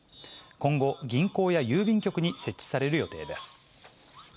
今後、銀行や郵便局に設置される予定です。